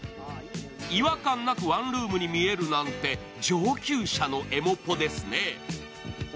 違和感なくワンルームに見えるなんて、上級者のエモポですね。